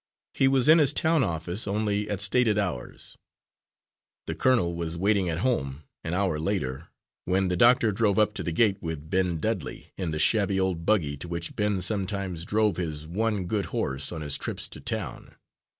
He was in his town office only at stated hours. The colonel was waiting at home, an hour later, when the doctor drove up to the gate with Ben Dudley, in the shabby old buggy to which Ben sometimes drove his one good horse on his trips to town.